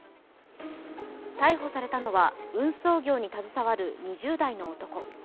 逮捕されたのは運送業に携わる２０代の男。